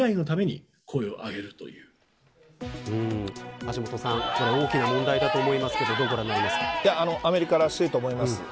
橋下さん、大きな問題だと思いますけどアメリカらしいと思います。